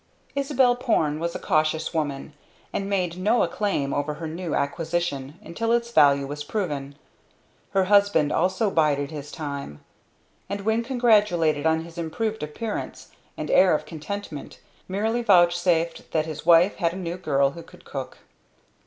Isabel Porne was a cautious woman, and made no acclaim over her new acquisition until its value was proven. Her husband also bided his time; and when congratulated on his improved appearance and air of contentment, merely vouchsafed that his wife had a new girl who could cook.